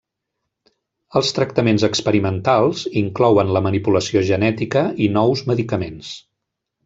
Els tractaments experimentals inclouen la manipulació genètica i nous medicaments.